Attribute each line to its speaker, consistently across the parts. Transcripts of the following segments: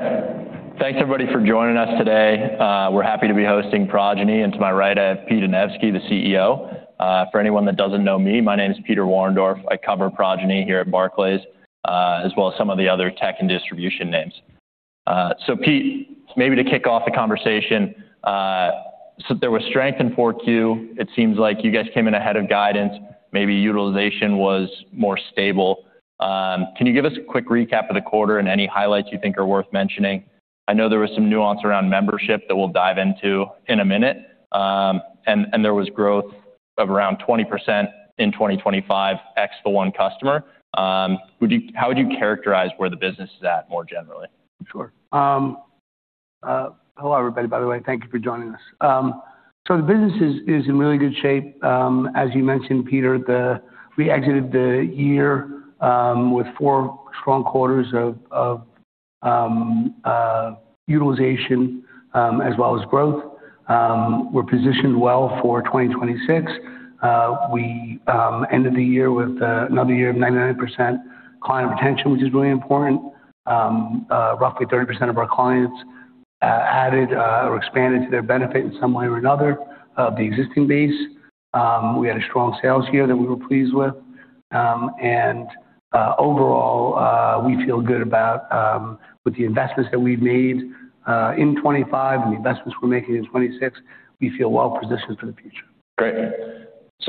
Speaker 1: All right. Thanks everybody for joining us today. We're happy to be hosting Progyny. To my right, I have Pete Anevski, the CEO. For anyone that doesn't know me, my name is Peter Warendorf. I cover Progyny here at Barclays, as well as some of the other tech and distribution names. Pete, maybe to kick off the conversation, there was strength in 4Q. It seems like you guys came in ahead of guidance. Maybe utilization was more stable. Can you give us a quick recap of the quarter and any highlights you think are worth mentioning? I know there was some nuance around membership that we'll dive into in a minute. There was growth of around 20% in 2025 ex the one customer. How would you characterize where the business is at more generally?
Speaker 2: Sure. Hello, everybody, by the way. Thank you for joining us. The business is in really good shape. As you mentioned, Peter, we exited the year with four strong quarters of utilization as well as growth. We're positioned well for 2026. We ended the year with another year of 99% client retention, which is really important. Roughly 30% of our clients added or expanded to their benefit in some way or another of the existing base. We had a strong sales year that we were pleased with. Overall, we feel good about with the investments that we've made in 2025 and the investments we're making in 2026, we feel well-positioned for the future.
Speaker 1: Great.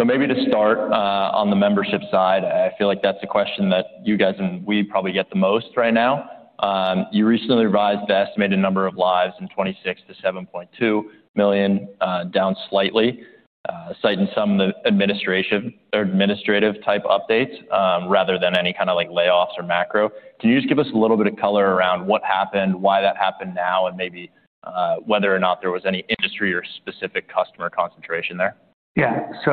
Speaker 1: Maybe to start, on the membership side, I feel like that's a question that you guys, and we probably get the most right now. You recently revised the estimated number of lives in 2026 to $7.2 million, down slightly, citing some of the administration or administrative type updates, rather than any kind of like, layoffs or macro. Can you just give us a little bit of color around what happened, why that happened now, and maybe, whether or not there was any industry or specific customer concentration there?
Speaker 2: Yeah. A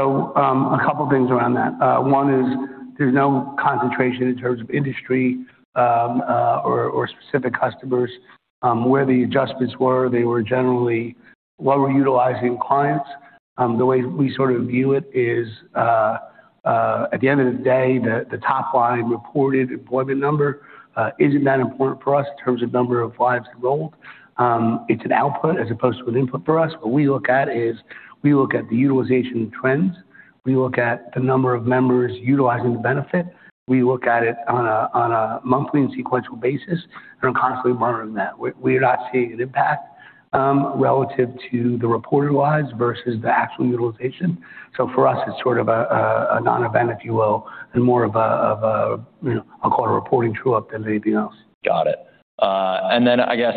Speaker 2: couple of things around that. One is there's no concentration in terms of industry or specific customers. Where the adjustments were, they were generally lower utilizing clients. The way we sort of view it is, at the end of the day, the top line reported employment number isn't that important for us in terms of number of lives enrolled. It's an output as opposed to an input for us. What we look at is we look at the utilization trends, we look at the number of members utilizing the benefit. We look at it on a monthly and sequential basis and constantly monitoring that. We're not seeing an impact relative to the reported lives versus the actual utilization. For us, it's sort of a non-event, if you will, and more of a, you know, I'll call it a reporting true up than anything else.
Speaker 1: Got it. I guess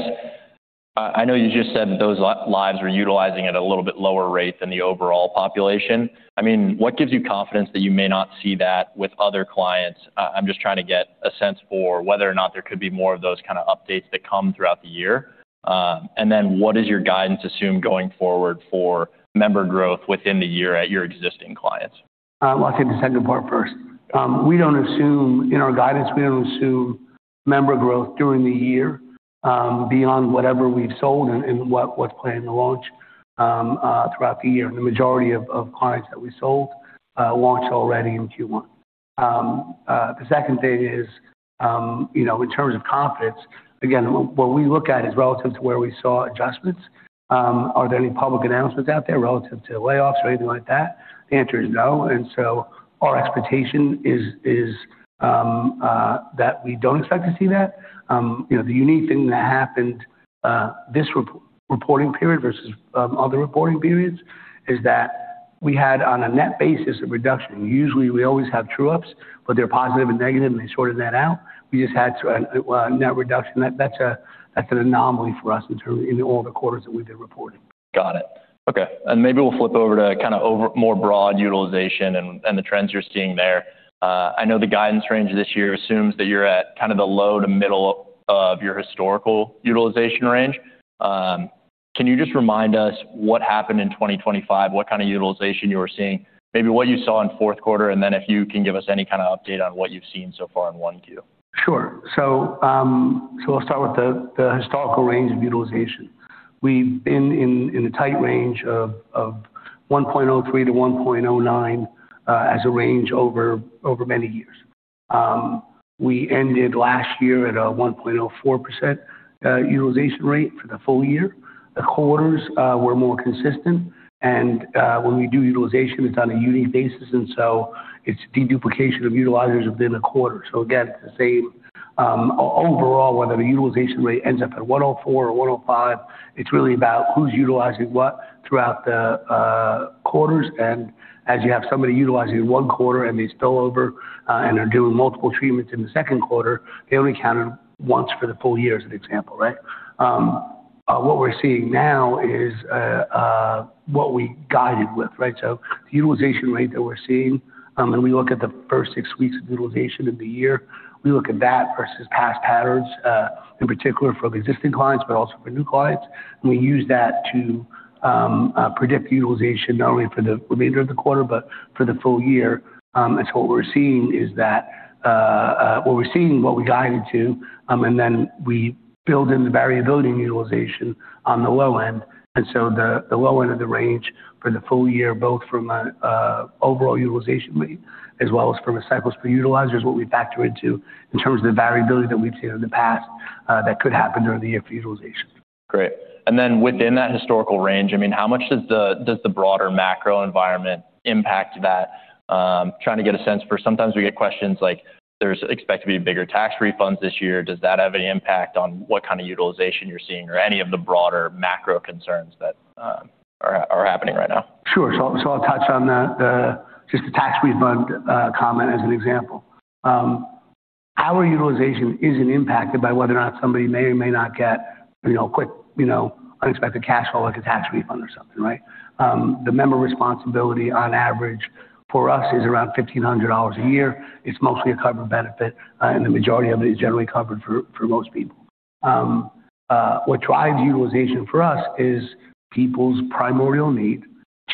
Speaker 1: I know you just said those lives were utilizing at a little bit lower rate than the overall population. I mean, what gives you confidence that you may not see that with other clients? I'm just trying to get a sense for whether or not there could be more of those kind of updates that come throughout the year? What does your guidance assume going forward for member growth within the year at your existing clients?
Speaker 2: I'll take the second part first. We don't assume in our guidance, we don't assume member growth during the year, beyond whatever we've sold and what's planned to launch throughout the year. The majority of clients that we sold launch already in Q1. The second thing is, you know, in terms of confidence, again, what we look at is relative to where we saw adjustments. Are there any public announcements out there relative to layoffs or anything like that? The answer is no. Our expectation is that we don't expect to see that. You know, the unique thing that happened this reporting period versus other reporting periods is that we had on a net basis, a reduction. Usually, we always have true ups, but they're positive and negative, and they sorted that out. We just had to a net reduction. That's an anomaly for us in all the quarters that we've been reporting.
Speaker 1: Got it. Okay. Maybe we'll flip over to kind of over more broad utilization and the trends you're seeing there. I know the guidance range this year assumes that you're at kind of the low to middle of your historical utilization range. Can you just remind us what happened in 2025, what kind of utilization you were seeing, maybe what you saw in fourth quarter, and then if you can give us any kind of update on what you've seen so far in 1Q?
Speaker 2: Sure. I'll start with the historical range of utilization. We've been in a tight range of 1.03-1.09 as a range over many years. We ended last year at a 1.04% utilization rate for the full year. The quarters were more consistent. When we do utilization, it's on a unique basis, and so it's deduplication of utilizers within a quarter. Again, it's the same overall, whether the utilization rate ends up at 1.04% or 1.05%, it's really about who's utilizing what throughout the quarters. As you have somebody utilizing one quarter and they spill over and are doing multiple treatments in the second quarter, they only count it once for the full year as an example, right? What we're seeing now is what we guided with, right? The utilization rate that we're seeing, when we look at the first six weeks of utilization of the year, we look at that versus past patterns, in particular for the existing clients but also for new clients. We use that to predict the utilization not only for the remainder of the quarter, but for the full year. What we're seeing is that what we guided to, and then we build in the variability in utilization on the low end. The low end of the range for the full year, both from an overall utilization rate as well as from cycles per utilizers, what we factor into in terms of the variability that we've seen in the past that could happen during the year for utilization.
Speaker 1: Great. Within that historical range, I mean, how much does the broader macro environment impact that? Trying to get a sense for sometimes we get questions like there's expected to be bigger tax refunds this year. Does that have any impact on what kind of utilization you're seeing or any of the broader macro concerns that are happening right now?
Speaker 2: Sure. I'll touch on just the tax refund comment as an example. Our utilization isn't impacted by whether or not somebody may or may not get, you know, a quick, you know, unexpected cash flow like a tax refund or something, right? The member responsibility on average for us is around $1,500 a year. It's mostly a covered benefit, and the majority of it is generally covered for most people. What drives utilization for us is people's primordial need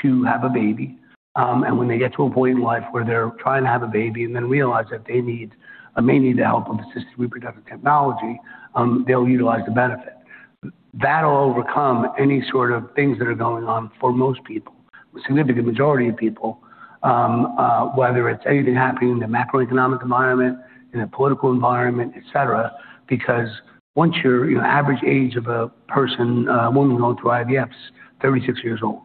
Speaker 2: to have a baby. When they get to a point in life where they're trying to have a baby and then realize that they need or may need the help of assisted reproductive technology, they'll utilize the benefit. That'll overcome any sort of things that are going on for most people, a significant majority of people, whether it's anything happening in the macroeconomic environment, in the political environment, et cetera, because your average age of a person, woman going through IVF is 36 years old.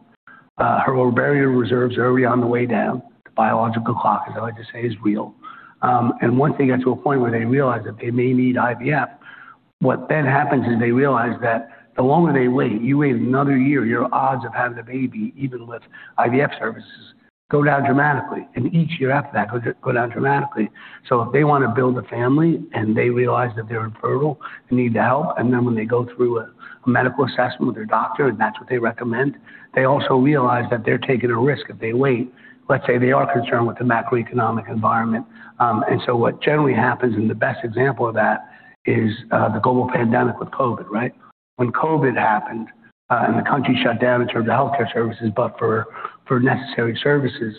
Speaker 2: Her ovarian reserves are already on the way down. The biological clock, as I like to say, is real. Once they get to a point where they realize that they may need IVF, what then happens is they realize that the longer they wait, you wait another year, your odds of having a baby, even with IVF services, go down dramatically. Each year after that go down dramatically. If they want to build a family and they realize that they're infertile and need the help, and then when they go through a medical assessment with their doctor, and that's what they recommend, they also realize that they're taking a risk if they wait. Let's say they are concerned with the macroeconomic environment. What generally happens, and the best example of that is the global pandemic with COVID, right? When COVID happened, and the country shut down in terms of healthcare services, but for necessary services,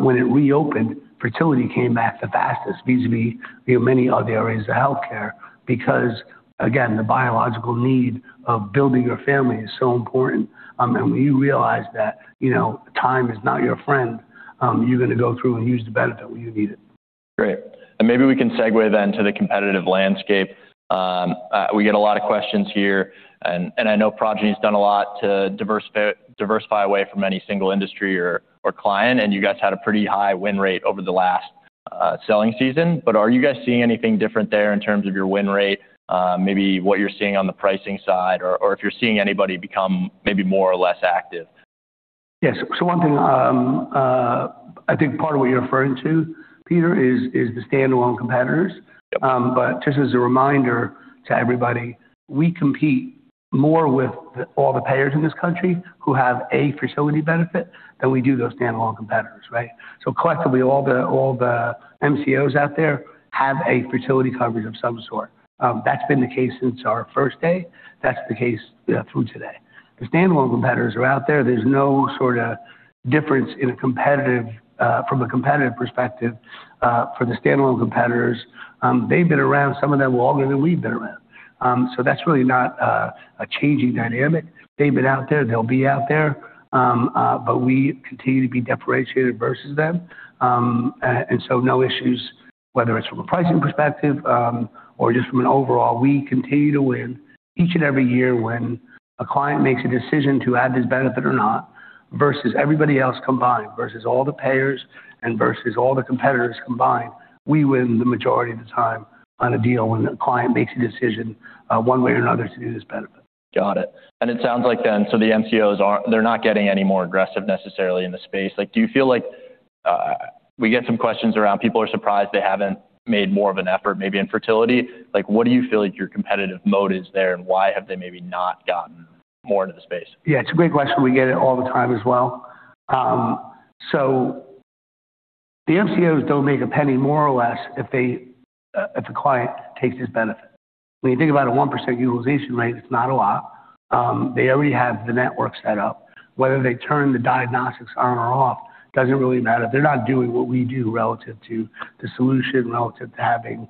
Speaker 2: when it reopened, fertility came back the fastest vis-a-vis, you know, many other areas of healthcare because, again, the biological need of building your family is so important. When you realize that, you know, time is not your friend, you're gonna go through and use the benefit when you need it.
Speaker 1: Great. Maybe we can segue then to the competitive landscape. We get a lot of questions here, and I know Progyny's done a lot to diversify away from any single industry or client, and you guys had a pretty high win rate over the last selling season. Are you guys seeing anything different there in terms of your win rate? Maybe what you're seeing on the pricing side or if you're seeing anybody become maybe more or less active?
Speaker 2: Yes. One thing, I think part of what you're referring to, Peter, is the standalone competitors.
Speaker 1: Yep.
Speaker 2: Just as a reminder to everybody, we compete more with all the payers in this country who have a fertility benefit than we do those standalone competitors, right? Collectively, all the MCOs out there have a fertility coverage of some sort. That's been the case since our first day. That's the case through today. The standalone competitors are out there. There's no sort of difference from a competitive perspective for the standalone competitors. They've been around, some of them longer than we've been around. That's really not a changing dynamic. They've been out there. They'll be out there. We continue to be differentiated versus them. No issues, whether it's from a pricing perspective or just from an overall, we continue to win each and every year when a client makes a decision to add this benefit or not, versus everybody else combined, versus all the payers and versus all the competitors combined. We win the majority of the time on a deal when a client makes a decision, one way or another to do this benefit.
Speaker 1: Got it. It sounds like then, so the MCOs are, they're not getting any more aggressive necessarily in the space. Like, do you feel like, we get some questions around people are surprised they haven't made more of an effort maybe in fertility. Like, what do you feel like your competitive mode is there, and why have they maybe not gotten more into the space?
Speaker 2: Yeah, it's a great question. We get it all the time as well. The MCOs don't make a penny more or less if they, if the client takes this benefit. When you think about a 1% utilization rate, it's not a lot. They already have the network set up. Whether they turn the diagnostics on or off doesn't really matter. They're not doing what we do relative to the solution, relative to having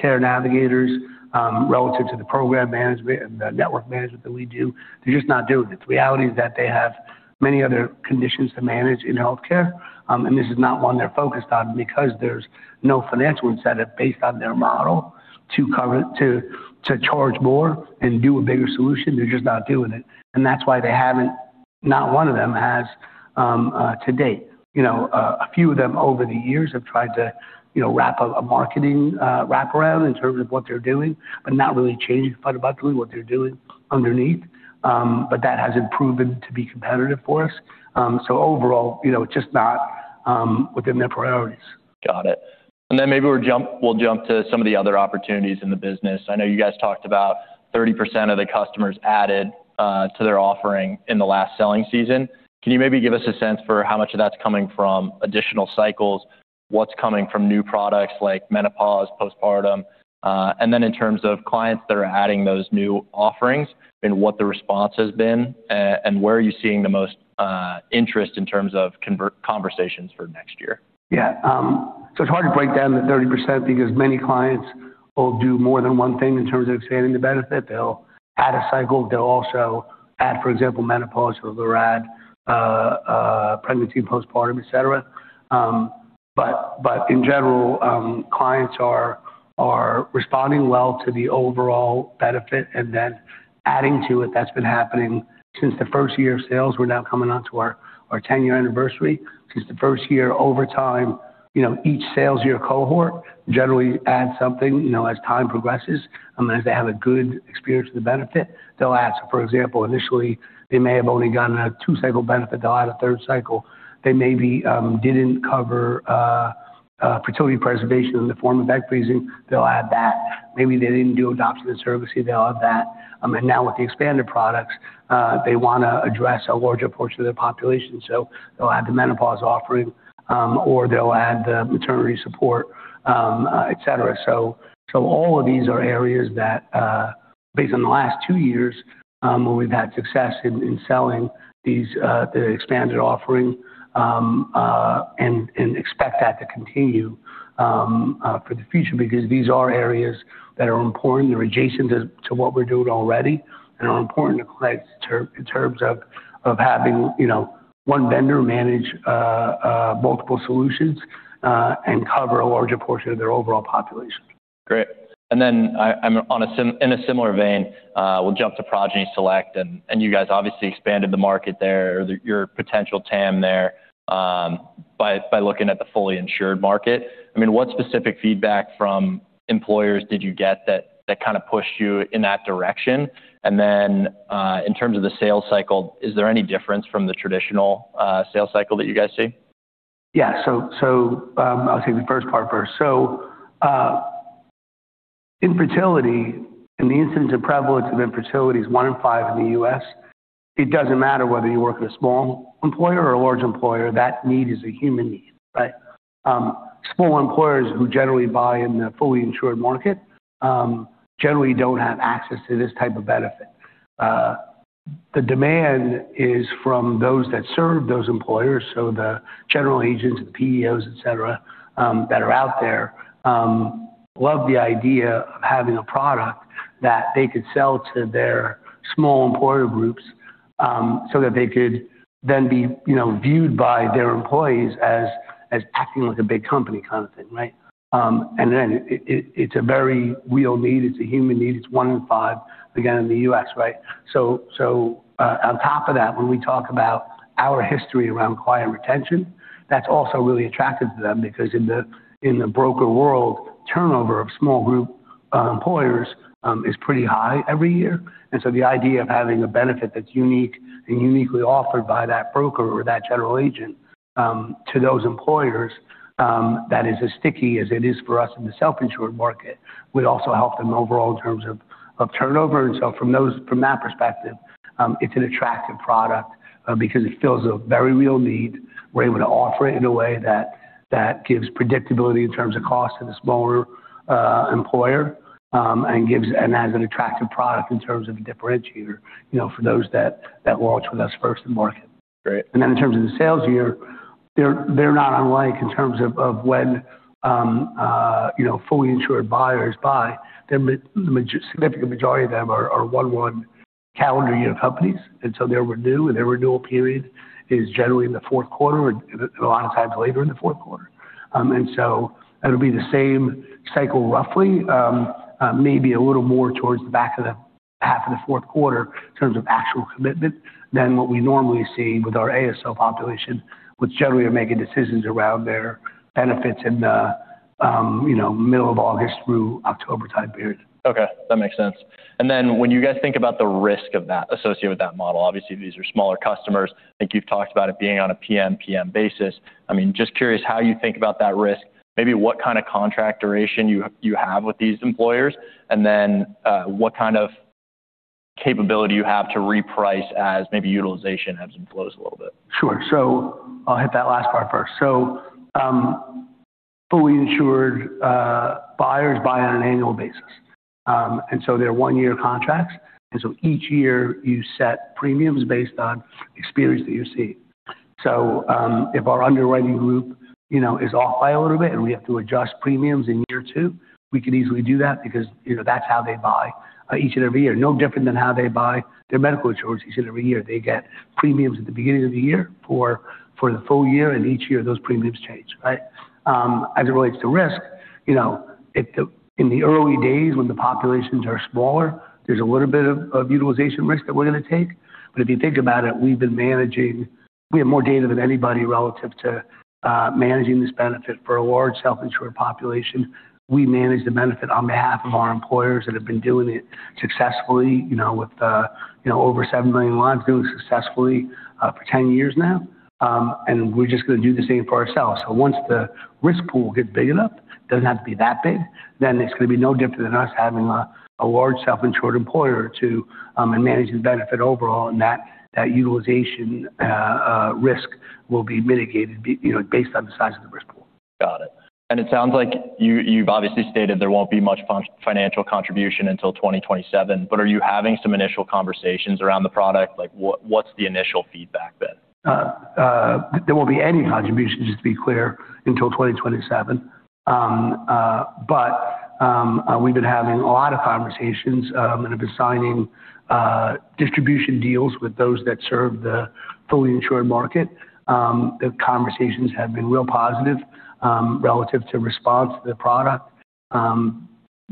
Speaker 2: care navigators, relative to the program management and the network management that we do. They're just not doing it. The reality is that they have many other conditions to manage in healthcare, and this is not one they're focused on because there's no financial incentive based on their model to charge more and do a bigger solution. They're just not doing it. That's why they haven't, not one of them has, to date. You know, a few of them over the years have tried to, you know, wrap a marketing wrap around in terms of what they're doing, but not really change quite about doing what they're doing underneath. That hasn't proven to be competitive for us. Overall, you know, it's just not within their priorities.
Speaker 1: Got it. Maybe we'll jump to some of the other opportunities in the business. I know you guys talked about 30% of the customers added to their offering in the last selling season. Can you maybe give us a sense for how much of that's coming from additional cycles, what's coming from new products like menopause, postpartum? In terms of clients that are adding those new offerings and what the response has been, where are you seeing the most interest in terms of conversations for next year?
Speaker 2: Yeah. It's hard to break down the 30% because many clients will do more than one thing in terms of expanding the benefit. They'll add a cycle. They'll also add, for example, menopause or they'll add pregnancy, postpartum, et cetera. In general, clients are responding well to the overall benefit and then adding to it. That's been happening since the first year of sales. We're now coming on to our 10-year anniversary. Since the first year, over time, you know, each sales year cohort generally adds something, you know, as time progresses. As they have a good experience with the benefit, they'll ask, for example, initially they may have only gotten a two-cycle benefit, they'll add a third cycle. They maybe didn't cover fertility preservation in the form of egg freezing. They'll add that. Maybe they didn't do adoption and surrogacy. They'll add that. Now with the expanded products, they wanna address a larger portion of their population. They'll add the menopause offering, or they'll add the maternity support, et cetera. All of these are areas that, based on the last two years, where we've had success in selling these, the expanded offering, and expect that to continue, for the future because these are areas that are important. They're adjacent to what we're doing already and are important to clients in terms of having, you know, one vendor manage multiple solutions, and cover a larger portion of their overall population.
Speaker 1: Great. I'm in a similar vein, we'll jump to Progyny Select and you guys obviously expanded the market there, your potential TAM there, by looking at the fully insured market. I mean, what specific feedback from employers did you get that kind of pushed you in that direction? In terms of the sales cycle, is there any difference from the traditional sales cycle that you guys see?
Speaker 2: Yeah. I'll take the first part first. Infertility and the incidence and prevalence of infertility is one in five in the U.S. It doesn't matter whether you work at a small employer or a large employer, that need is a human need, right? Small employers who generally buy in the fully insured market generally don't have access to this type of benefit. The demand is from those that serve those employers. The general agents, the PEOs, et cetera, that are out there love the idea of having a product that they could sell to their small employer groups, so that they could then be, you know, viewed by their employees as acting like a big company kind of thing, right? It's a very real need. It's a human need. It's one in five, again, in the U.S., right? On top of that, when we talk about our history around client retention, that's also really attractive to them because in the broker world, turnover of small group employers is pretty high every year. The idea of having a benefit that's unique and uniquely offered by that broker or that general agent to those employers, that is as sticky as it is for us in the self-insured market, would also help them overall in terms of turnover. From that perspective, it's an attractive product because it fills a very real need. We're able to offer it in a way that gives predictability in terms of cost to the smaller employer, and as an attractive product in terms of a differentiator, you know, for those that launch with us first in market.
Speaker 1: Great.
Speaker 2: In terms of the sales year, they're not unlike in terms of when you know fully insured buyers buy. The significant majority of them are one calendar year companies, and so they renew and their renewal period is generally in the fourth quarter or a lot of times later in the fourth quarter. It'll be the same cycle roughly, maybe a little more towards the back half of the fourth quarter in terms of actual commitment than what we normally see with our ASO population, which generally are making decisions around their benefits in the you know middle of August through October time period.
Speaker 1: Okay, that makes sense. When you guys think about the risk of that associated with that model, obviously these are smaller customers. I think you've talked about it being on a PMPM basis. I mean, just curious how you think about that risk. Maybe what kind of contract duration you have with these employers, and then what kind of capability you have to reprice as maybe utilization ebbs and flows a little bit.
Speaker 2: Sure. I'll hit that last part first. Fully insured buyers buy on an annual basis, and so they're one-year contracts. Each year you set premiums based on experience that you see. If our underwriting group, you know, is off by a little bit and we have to adjust premiums in year two, we could easily do that because, you know, that's how they buy each and every year. No different than how they buy their medical insurance each and every year. They get premiums at the beginning of the year for the full year, and each year those premiums change, right? As it relates to risk, you know, in the early days when the populations are smaller, there's a little bit of utilization risk that we're gonna take. If you think about it, we've been managing. We have more data than anybody relative to managing this benefit for a large self-insured population. We manage the benefit on behalf of our employers that have been doing it successfully, you know, with you know, over 7 million lives, doing it successfully, for 10 years now. We're just gonna do the same for ourselves. Once the risk pool gets big enough, it doesn't have to be that big, then it's gonna be no different than us having a large self-insured employer to manage the benefit overall, and that utilization risk will be mitigated you know, based on the size of the risk pool.
Speaker 1: Got it. It sounds like you've obviously stated there won't be much financial contribution until 2027, but are you having some initial conversations around the product? Like, what's the initial feedback been?
Speaker 2: There won't be any contribution, just to be clear, until 2027. We've been having a lot of conversations and have been signing distribution deals with those that serve the fully insured market. The conversations have been real positive relative to response to the product.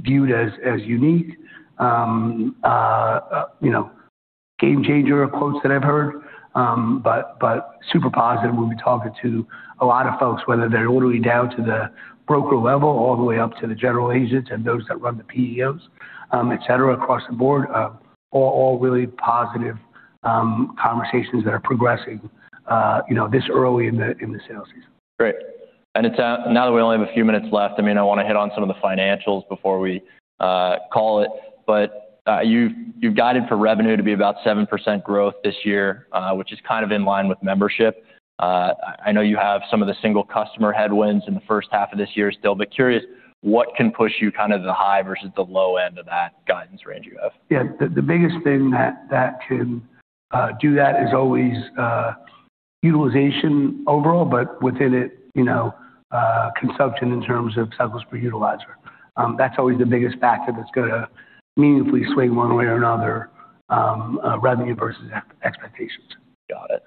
Speaker 2: Viewed as unique. You know, game changer are quotes that I've heard. Super positive when we talk to a lot of folks, whether they're all the way down to the broker level, all the way up to the general agents and those that run the PEOs, et cetera, across the board. All really positive conversations that are progressing, you know, this early in the sales season.
Speaker 1: Great. It's now that we only have a few minutes left. I mean, I wanna hit on some of the financials before we call it. You've guided for revenue to be about 7% growth this year, which is kind of in line with membership. I know you have some of the single customer headwinds in the first half of this year still, but curious what can push you kind of the high versus the low end of that guidance range you have?
Speaker 2: Yeah. The biggest thing that can do that is always utilization overall, but within it, you know, consumption in terms of cycles per utilizer. That's always the biggest factor that's gonna meaningfully swing one way or another, revenue versus expectations.
Speaker 1: Got it.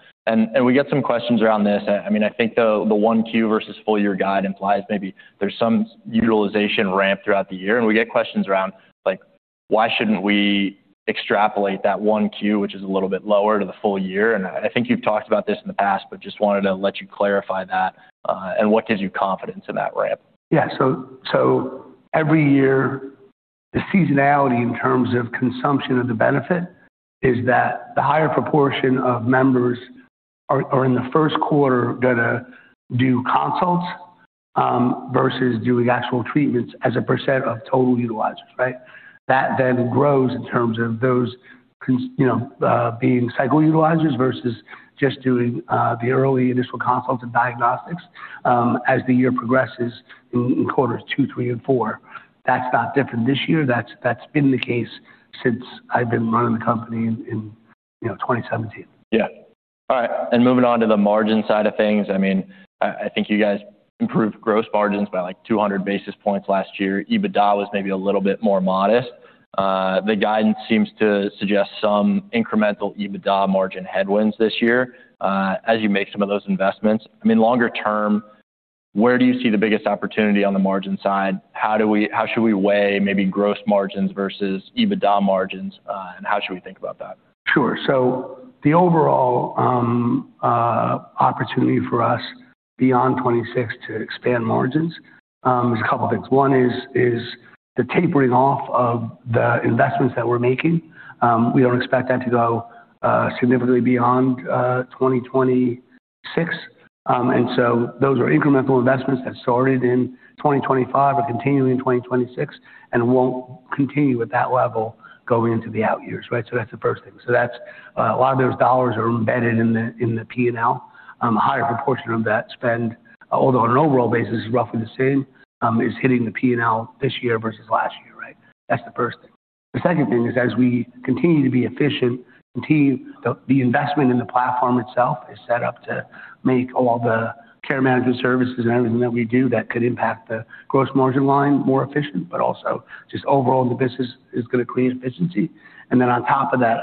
Speaker 1: We get some questions around this. I mean, I think the 1Q versus full year guide implies maybe there's some utilization ramp throughout the year. We get questions around, like, why shouldn't we extrapolate that 1Q, which is a little bit lower to the full year? I think you've talked about this in the past, but just wanted to let you clarify that, and what gives you confidence in that ramp?
Speaker 2: Yeah. Every year, the seasonality in terms of consumption of the benefit is that the higher proportion of members are in the first quarter gonna do consults versus doing actual treatments as a percent of total utilizers, right? That then grows in terms of those you know being cycle utilizers versus just doing the early initial consults and diagnostics as the year progresses in quarters two, three, and four. That's not different this year. That's been the case since I've been running the company in you know 2017.
Speaker 1: Yeah. All right. Moving on to the margin side of things, I mean, I think you guys improved gross margins by like 200 basis points last year. EBITDA was maybe a little bit more modest. The guidance seems to suggest some incremental EBITDA margin headwinds this year, as you make some of those investments. I mean, longer term, where do you see the biggest opportunity on the margin side? How should we weigh maybe gross margins versus EBITDA margins, and how should we think about that?
Speaker 2: Sure. The overall opportunity for us beyond 2026 to expand margins, there's a couple things. One is the tapering off of the investments that we're making. We don't expect that to go significantly beyond 2026. Those are incremental investments that started in 2025 and continuing in 2026, and won't continue at that level going into the out years, right? That's the first thing. That's a lot of those dollars are embedded in the P&L. A higher proportion of that spend, although on an overall basis is roughly the same, is hitting the P&L this year versus last year, right? That's the first thing. The second thing is, as we continue to be efficient, continue the investment in the platform itself is set up to make all the care management services and everything that we do that could impact the gross margin line more efficient, but also just overall the business is gonna create efficiency. Then on top of that,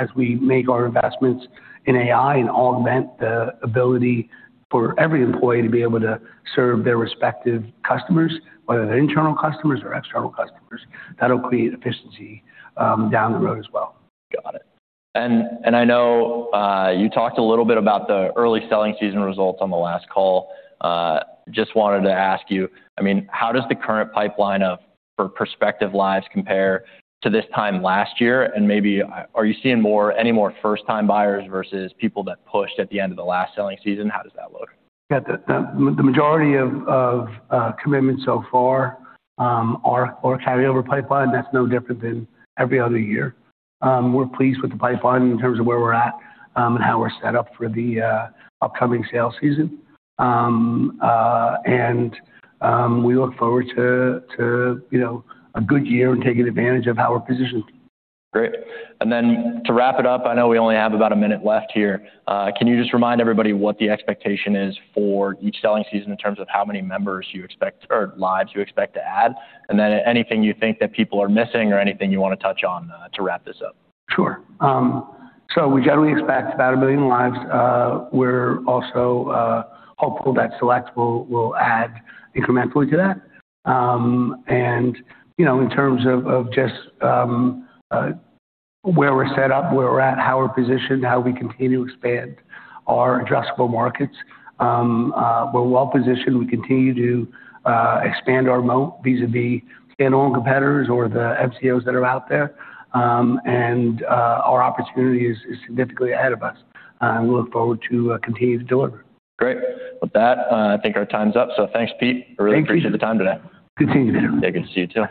Speaker 2: as we make our investments in AI and augment the ability for every employee to be able to serve their respective customers, whether they're internal customers or external customers, that'll create efficiency down the road as well.
Speaker 1: Got it. I know you talked a little bit about the early selling season results on the last call. Just wanted to ask you, I mean, how does the current pipeline for prospective lives compare to this time last year? Maybe are you seeing more, any more first time buyers versus people that pushed at the end of the last selling season? How does that look?
Speaker 2: Yeah. The majority of commitments so far are carryover pipeline. That's no different than every other year. We're pleased with the pipeline in terms of where we're at and how we're set up for the upcoming sales season. We look forward to, you know, a good year and taking advantage of how we're positioned.
Speaker 1: Great. Then to wrap it up, I know we only have about a minute left here. Can you just remind everybody what the expectation is for each selling season in terms of how many members you expect or lives you expect to add? Then anything you think that people are missing or anything you wanna touch on, to wrap this up?
Speaker 2: Sure. We generally expect about 1 million lives. We're also hopeful that Select will add incrementally to that. You know, in terms of just where we're set up, where we're at, how we're positioned, how we continue to expand our addressable markets, we're well-positioned. We continue to expand our moat vis-à-vis stand-alone competitors or the MCOs that are out there. Our opportunity is significantly ahead of us. We look forward to continuing to deliver.
Speaker 1: Great. With that, I think our time's up. Thanks, Pete.
Speaker 2: Thank you.
Speaker 1: I really appreciate the time today.
Speaker 2: Continue.
Speaker 1: Yeah. Good to see you too.